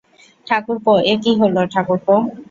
ঠাকুরপো, এ কী হল ঠাকরপো।